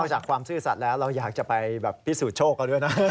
นอกจากความสื่อสัตว์แล้วเราอยากจะไปพิสูจน์โชคกันด้วยนะ